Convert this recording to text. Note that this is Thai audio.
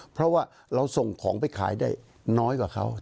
เพราะว่าเราส่งของไปขายได้น้อยกว่าเขา